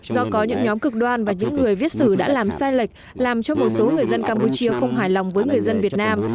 do có những nhóm cực đoan và những người viết sử đã làm sai lệch làm cho một số người dân campuchia không hài lòng với người dân việt nam